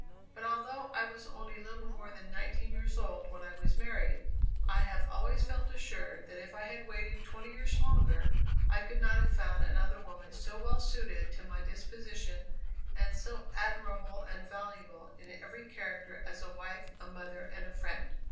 But although I was only little more than nineteen years old when I was married, I have always felt assured that if I had waited twenty years longer I could not have found another woman so well suited to my disposition and so admirable and valuable in every character as a wife, a mother, and a friend.